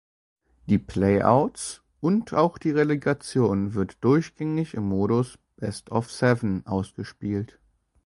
Die Playouts und auch die Relegation wird durchgängig im Modus "Best of Seven" ausgespielt.